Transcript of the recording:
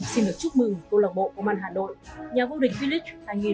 xin được chúc mừng câu lạc bộ công an hà nội nhà vô địch village hai nghìn hai mươi ba